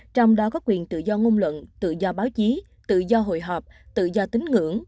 trong đó có quyền tự do ngôn luận tự do báo chí tự do hội họp tự do tính ngưỡng